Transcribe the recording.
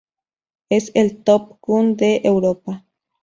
Es el Top Gun de Europa.